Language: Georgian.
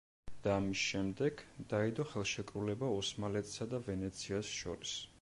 და ამის შემდეგ დაიდო ხელშეკრულება ოსმალეთსა და ვენეციას შორის.